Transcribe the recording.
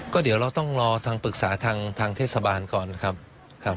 ก็เดี๋ยวเราต้องรอทางปรึกษาทางเทศบาลก่อนครับ